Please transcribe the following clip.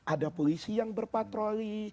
ada polisi yang berpatroli